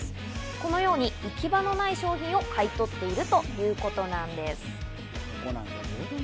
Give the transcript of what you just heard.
このように行き場のない商品を買い取っているということなんです。